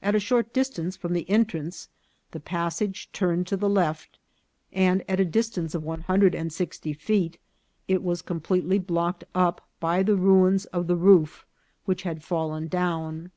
At a short distance from the entrance the passage turned to the left, and at a distance of one hundred and sixty feet it was completely blocked up by the ruins of the roof, which had fallen down.